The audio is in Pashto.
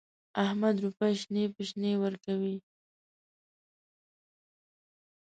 احمد روپۍ شنې په شنې ورکوي.